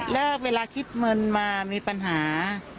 แล้วเวลาคิดเงินมามีปัญหา